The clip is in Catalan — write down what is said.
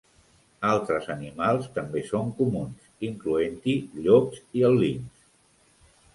Altres animals també són comuns, incloent-hi llops i el linx.